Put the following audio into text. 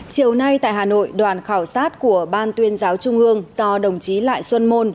chiều nay tại hà nội đoàn khảo sát của ban tuyên giáo trung ương do đồng chí lại xuân môn